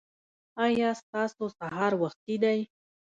ایا ستاسو سهار وختي دی؟